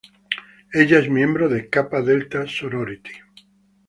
Ella es miembro de Kappa Delta Sorority.